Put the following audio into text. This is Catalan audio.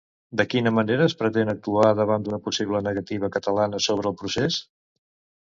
De quina manera es pretén actuar davant d'una possible negativa catalana sobre el procés?